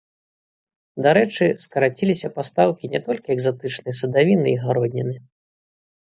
Дарэчы, скараціліся пастаўкі не толькі экзатычнай садавіны і гародніны.